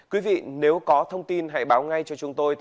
quý vị nếu có thông tin hãy báo ngay cho chúng tôi